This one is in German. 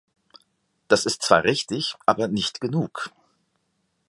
Das ist zwar richtig, aber nicht genug!